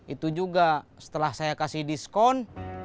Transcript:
itu juga setelah saya kasih diskon